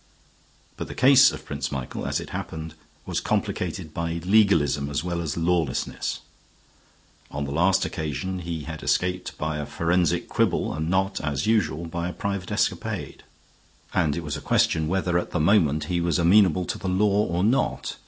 But the case of Prince Michael, as it happened, was complicated by legalism as well as lawlessness. On the last occasion he had escaped by a forensic quibble and not, as usual, by a private escapade; and it was a question whether at the moment he was amenable to the law or not.